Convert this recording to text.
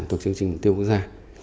tổ chức chương trình mục tiêu quốc gia